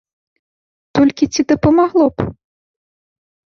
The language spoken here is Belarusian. Толькі ці дапамагло б?